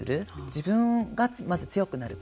自分がまず強くなる。